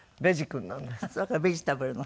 そうかベジタブルの？